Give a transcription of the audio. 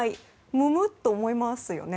むむっと思いますよね。